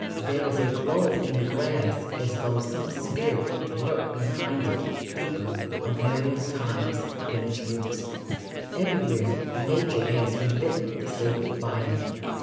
There is a glow in the grass as though some spirit lurked behind it deeper a million times than its roots. Everywhere Nature has relit the sacred fire.